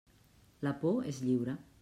La por és lliure.